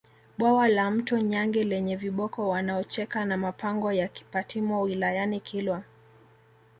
Bwawa la Mto Nyange lenye viboko wanaocheka na mapango ya Kipatimo wilayani Kilwa